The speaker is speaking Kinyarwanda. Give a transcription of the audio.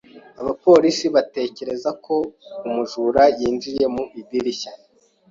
Abapolisi batekereza ko umujura yinjiye mu idirishya.